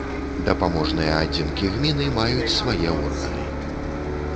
Дапаможныя адзінкі гміны маюць свае органы.